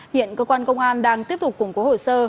hiện cơ quan công an đang tiếp tục củng cố hồ sơ